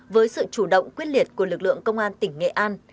với sự chủ động quyết liệt của lực lượng công an tỉnh nghệ an